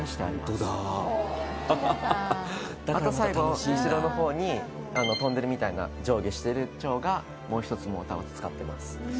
ホントだあと最後後ろのほうに飛んでるみたいな上下してる蝶がもう一つモーターを使ってます